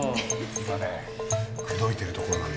今ね口説いてるところなんだ。